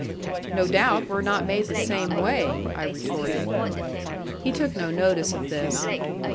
"No doubt we're not made the same way," I retorted. He took no notice of this.